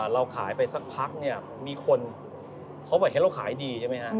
เราขายไปสักพักเนี่ยมีคนเขาบอกเห็นเราขายดีใช่ไหมฮะ